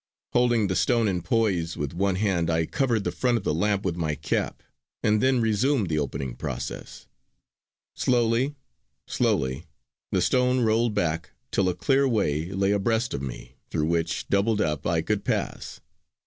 Holding the stone in poise with one hand, I covered the front of the lamp with my cap, and then resumed the opening process. Slowly, slowly, the stone rolled back till a clear way lay abreast of me through which, doubled up, I could pass.